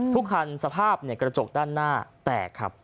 ทุกคันสภาพกระจกด้านหน้าแตกครับ